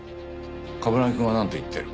冠城くんはなんと言ってる？